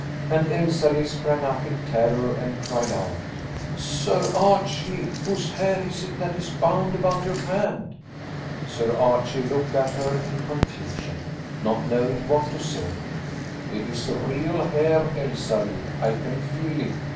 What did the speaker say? And Elsalill sprang up in terror and cried out: "Sir Archie, whose hair is it that is bound about your hand?" Sir Archie looked at her in confusion, not knowing what to say. "It is real hair, Elsalill, I can feel it.